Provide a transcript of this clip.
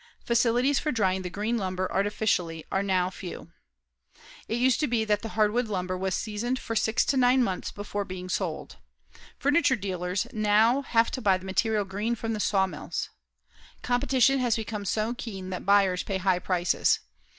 Facilities for drying the green lumber artificially are few. It used to be that the hardwood lumber was seasoned for six to nine months before being sold. Furniture dealers now have to buy the material green from the sawmills. Competition has become so keen that buyers pay high prices.